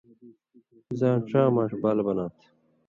زاں ڇا ماݜ بال بنا تھہ۔